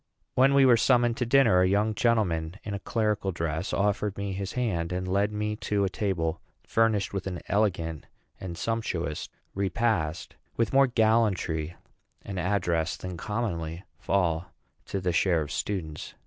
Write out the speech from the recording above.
When we were summoned to dinner, a young gentleman in a clerical dress offered me his hand, and led me to a table furnished with an elegant and sumptuous repast, with more gallantry and address than commonly fall to the share of students.